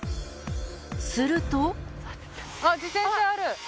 すると。